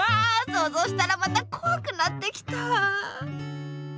そうぞうしたらまたこわくなってきた！